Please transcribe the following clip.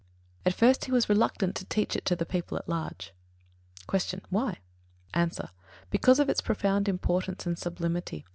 At first he was reluctant to teach it to the people at large. 67. Q. Why? A. Because of its profound importance and sublimity.